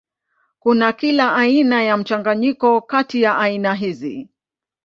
Kuna kila aina ya mchanganyiko kati ya aina hizi.